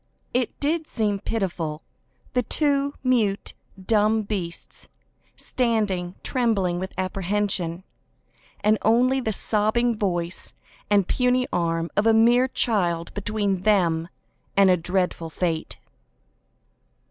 It did seem pitiful, the two mute, dumb beasts standing, trembling with apprehension, and only the sobbing voice and puny arm of a mere child between them and a dreadful fate.